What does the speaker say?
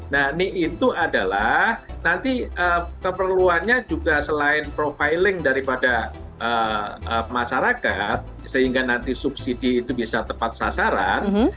nah ni itu adalah nanti keperluannya juga selain profiling daripada masyarakat sehingga nanti subsidi itu bisa tepat sasaran